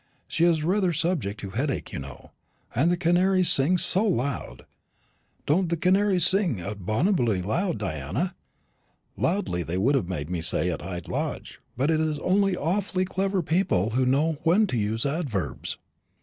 She is rather subject to headache, you know; and the canaries sing so loud. Don't the canaries sing abominably loud, Diana? loudly they would have made me say at Hyde Lodge; but it is only awfully clever people who know when to use adverbs."